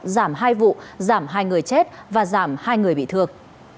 giảm hai vụ giảm hai người chết và giảm hai người bị thương